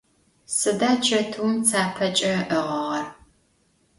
Sıda çetıum tsapeç'e ı'ığığer?